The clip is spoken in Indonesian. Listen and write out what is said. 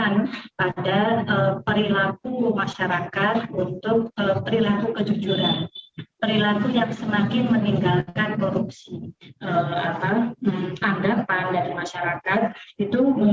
namun kalau kita mau satu hal yang pasti